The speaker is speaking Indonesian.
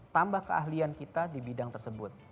tambah keahlian kita di bidang tersebut